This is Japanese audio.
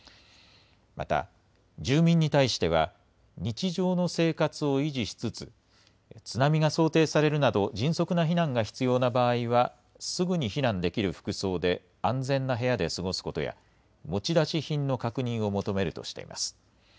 また、住民に対しては、日常の生活を維持しつつ、津波が想定されるなど、迅速な避難が必要な場合は、すぐに避難できる服装で安全な部屋で過ごすことや、持ち出し品の確認を求めるとしています。